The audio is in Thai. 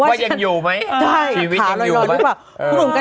ว่ายังอยู่ไหมใช่ชีวิตยังอยู่ไหมถามหน่อยหรือแบบ